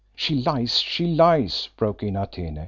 "She lies, she lies," broke in Atene.